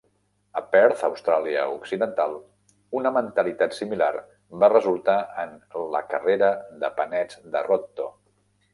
A Perth, Austràlia Occidental, una mentalitat similar va resultar en la "carrera de panets de Rotto".